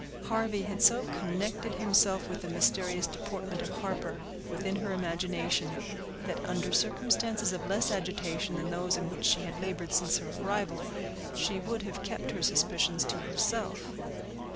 Harvey had so connected himself with the mysterious deportment of Harper, within her imagination, that under circumstances of less agitation than those in which she had labored since her arrival, she would have kept her suspicions to herself.